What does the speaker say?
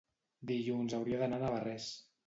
Dilluns hauria d'anar a Navarrés.